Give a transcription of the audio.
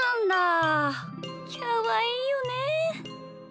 きゃわいいよねえ。